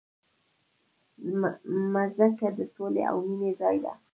مځکه د سولې او مینې ځای ده.